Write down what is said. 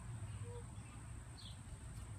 而私人持股公司将以现行股价收益比定价。